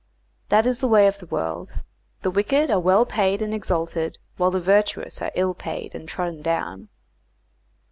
That is the way of this world; the wicked are well paid and exalted, while the virtuous are ill paid and trodden down.